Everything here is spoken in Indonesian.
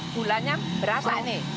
gulanya berasa nih